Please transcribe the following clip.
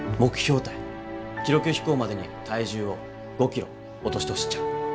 記録飛行までに体重を５キロ落としてほしいっちゃ。